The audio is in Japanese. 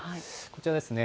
こちらですね。